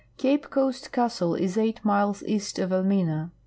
Cape Coast Castle is eight miles east of Elmina.